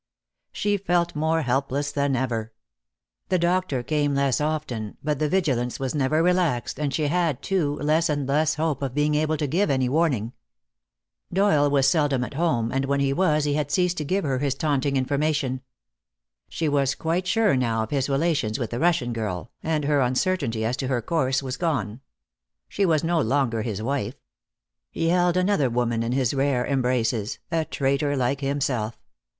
She felt more helpless than ever. The doctor came less often, but the vigilance was never relaxed, and she had, too, less and less hope of being able to give any warning. Doyle was seldom at home, and when he was he had ceased to give her his taunting information. She was quite sure now of his relations with the Russian girl, and her uncertainty as to her course was gone. She was no longer his wife. He held another woman in his rare embraces, a traitor like himself.